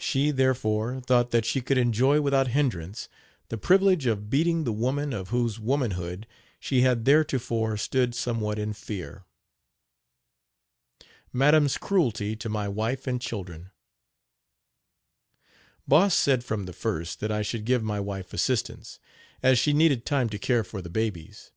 She, therefore, thought that she could enjoy, without hindrance, the privilege of beating the woman of whose womanhood she had theretofore stood somewhat in fear. MADAM'S CRUELTY TO MY WIFE AND CHILDREN. Boss said from the first that I should give my wife assistance, as she needed time to care for the babies.